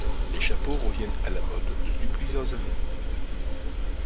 Les chapeaux reviennent à la mode depuis plusieurs années.